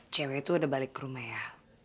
cewek itu udah balik ke rumah ya